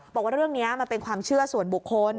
บอกว่าเรื่องนี้มันเป็นความเชื่อส่วนบุคคล